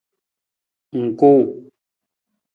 Ng kuu.